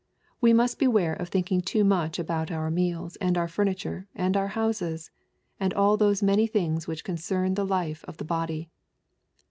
We must beware of thinking too much about our meals, and our furniture, and our houses, and all those many things which concern the life of the body.